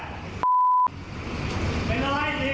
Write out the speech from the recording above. ไม่ต้องอยู่มึงไม่อยู่ที่นี่